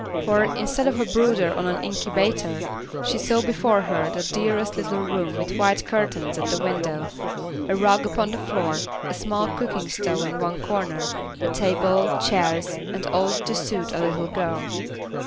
For, instead of a brooder and an "inkybator," she saw before her the dearest little room with white curtains at the window, a rug upon the floor, a small cooking stove in one corner, a table, chairs, and all to suit a little girl.